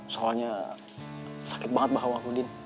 soalnya sakit sekali bahu aku jin